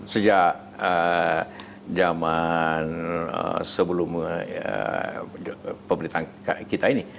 sejak zaman sebelum pemerintahan kita ini